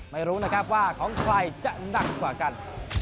ไม่รู้นะครับว่าของใครจะหนักกว่ากัน